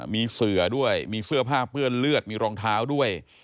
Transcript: มีเสือด้วยมีเสื้อผ้าเปื้อนเลือดมีรองเท้าด้วย